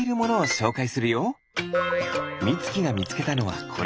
みつきがみつけたのはこれ。